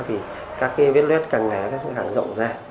thì các viết luyết càng ngày sẽ càng rộng ra